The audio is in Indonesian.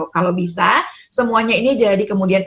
kalau bisa semuanya ini jadi kemudian